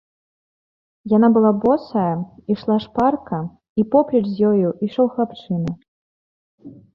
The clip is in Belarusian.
Яна была босая, ішла шпарка, і поплеч з ёю ішоў хлапчына.